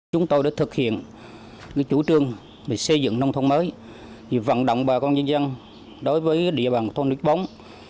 chúng tôi đã thực hiện chủ trương về xây dựng nông thôn mới vận động bà con nhân dân đối với địa bàn thôn đức bóng